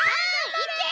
いけ！